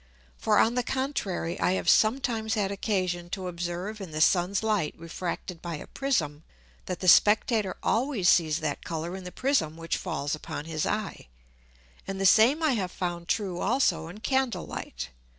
For, on the contrary, I have sometimes had occasion to observe in the Sun's Light refracted by a Prism, that the Spectator always sees that Colour in the Prism which falls upon his Eye. And the same I have found true also in Candle light.